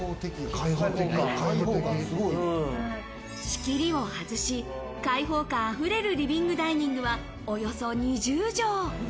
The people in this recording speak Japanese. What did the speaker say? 仕切りを外し、開放感あふれるリビングダイニングはおよそ２０畳。